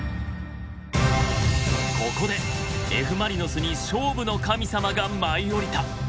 ここでＦ・マリノスに勝負の神様が舞い降りた。